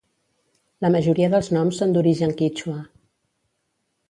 La majoria dels noms són d'origen quítxua.